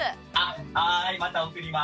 はいまた送ります。